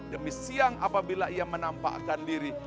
demi siang apabila ia menampakkan diri